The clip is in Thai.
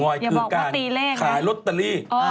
อย่าบอกว่าตีแรกนะคือการขายศส